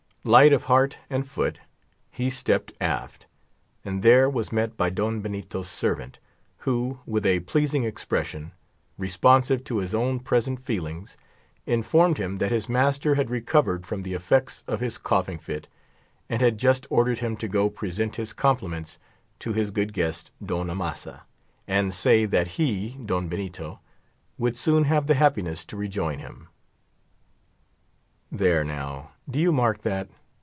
Light of heart and foot, he stepped aft, and there was met by Don Benito's servant, who, with a pleasing expression, responsive to his own present feelings, informed him that his master had recovered from the effects of his coughing fit, and had just ordered him to go present his compliments to his good guest, Don Amasa, and say that he (Don Benito) would soon have the happiness to rejoin him. There now, do you mark that?